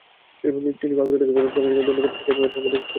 তিনি মাগুরা থেকে প্রকাশিত দৈনিক খেদমত-এর সম্পাদক খান শরাফত হোসেনের স্ত্রী।